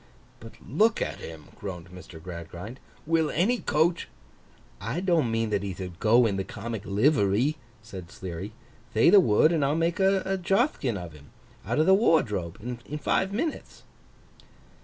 'But look at him,' groaned Mr. Gradgrind. 'Will any coach—' 'I don't mean that he thould go in the comic livery,' said Sleary. 'Thay the word, and I'll make a Jothkin of him, out of the wardrobe, in five minutes.